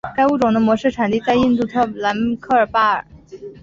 该物种的模式产地在印度特兰克巴尔。